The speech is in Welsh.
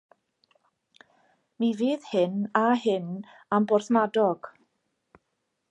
Mi fydd hyn a hyn am Borthmadog.